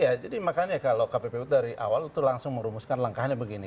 ya jadi makanya kalau kppu dari awal itu langsung merumuskan langkahnya begini